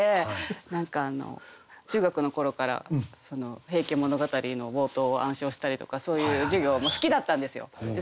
何か中学の頃から「平家物語」の冒頭を暗唱したりとかそういう授業も好きだったんですよ。